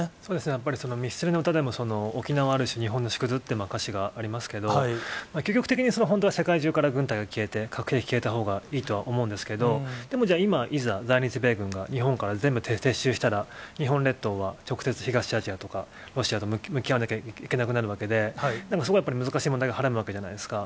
やっぱりミスチルの歌でも沖縄はある種、日本の縮図っていう歌詞がありますけど、究極的に本当は世界中から軍隊が消えて、核兵器が消えたほうがいいとは思うんですけど、でもじゃあ、今、いざ在日米軍が日本から全部撤収したら、日本列島は、直接東アジアとかロシアと向き合わなきゃいけなくなるわけで、なんかそこは難しい問題がはらむわけじゃないですか。